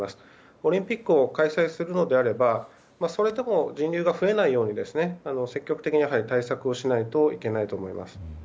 オリンピックを開催するのであればそれでも人流が増えないように積極的に対策をしないといけないと思います。